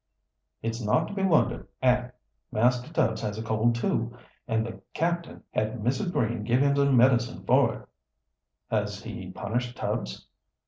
"It's not to be wondered at. Master Tubbs has a cold, too, and the captain had Mrs. Green give him some medicine for it." "Has he punished Tubbs?"